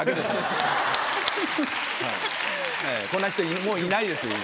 こんな人もういないですよ。